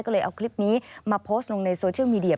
ก็เลยเอาคลิปนี้มาโพสต์ลงในโซเชียลมีเดีย